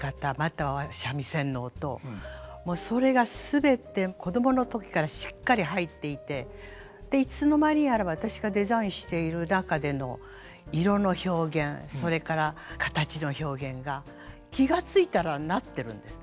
もうそれが全て子供の時からしっかり入っていてでいつの間にやら私がデザインしている中での色の表現それから形の表現が気が付いたらなってるんです。